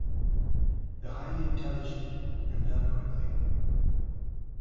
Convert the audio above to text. They are highly intelligent, and learn quickly.